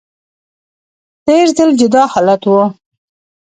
تیر ځل جدا حالت و